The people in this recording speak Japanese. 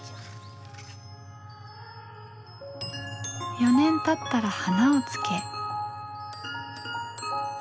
４年たったら花をつけ。